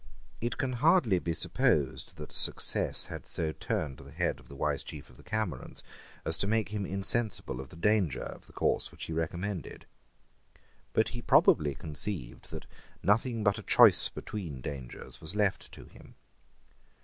It can hardly be supposed that success had so turned the head of the wise chief of the Camerons as to make him insensible of the danger of the course which he recommended. But he probably conceived that nothing but a choice between dangers was left to him.